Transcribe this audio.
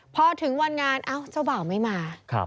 พอถึงวันงานเจ้าบ่าวไม่มา